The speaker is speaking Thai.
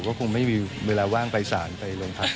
ก็คงไม่มีเวลาว่างไปสารไปโรงพัก